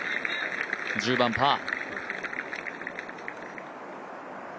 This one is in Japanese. １０番パー。